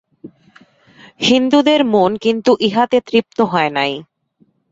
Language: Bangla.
হিন্দুদের মন কিন্তু ইহাতে তৃপ্ত হয় নাই।